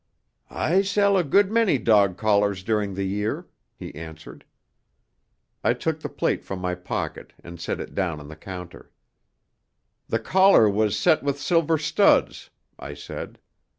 "I sell a good many dog collars during the year," he answered. I took the plate from my pocket and set it down on the counter. "The collar was set with silver studs," I said.